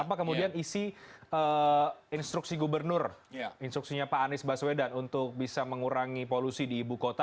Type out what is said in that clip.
apa kemudian isi instruksi gubernur instruksinya pak anies baswedan untuk bisa mengurangi polusi di ibu kota